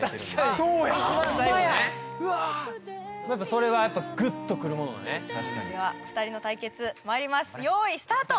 それはやっぱグッとくるものがねでは２人の対決まいります用意スタート！